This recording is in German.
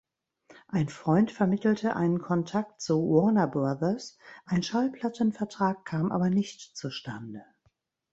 Ein Freund vermittelte einen Kontakt zu Warner Brothers, ein Schallplattenvertrag kam aber nicht zustande.